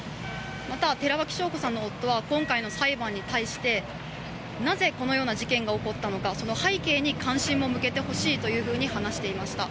また、寺脇晶子さんの夫は今回の裁判に対してなぜこのような事件が起こったのかその背景に関心も向けてほしいと話していました。